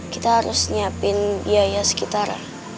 kita harus nyiapin biaya sekitar